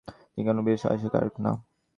আমার নিকট বিস্তর আসিয়াছে, আর না।